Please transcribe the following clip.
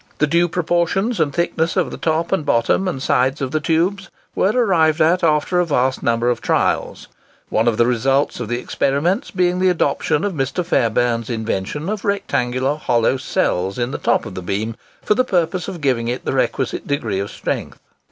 The due proportions and thicknesses of the top, bottom, and sides of the tubes were arrived at after a vast number of trials; one of the results of the experiments being the adoption of Mr. Fairbairn's invention of rectangular hollow cells in the top of the beam for the purpose of giving it the requisite degree of strength.